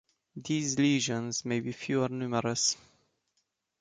These lesions may be few or numerous.